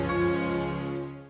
itu dari mana bisa